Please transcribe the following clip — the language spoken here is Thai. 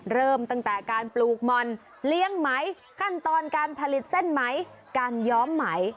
เริ่มตั้งแต่การปลูกหม่อนเลี้ยงไหมขั้นตอนการผลิตเส้นไหมการย้อมไหม